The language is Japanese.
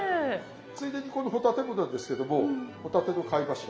ついでにこの帆立てもなんですけども帆立ての貝柱。